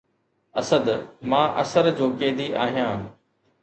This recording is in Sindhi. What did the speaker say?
اسد! مان اثر جو قيدي آهيان